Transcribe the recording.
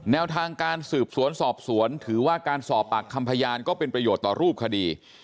แนวทางการสืบสวนสอบสวนถือว่าการสอบปากคำพยานก็เป็นประโยชน์ต่อรูปคดี